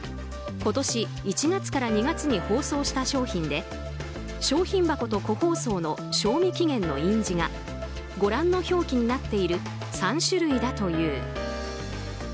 今年１月から２月に包装した商品で商品箱と個包装の賞味期限の印字がご覧の表記になっている３種類だという。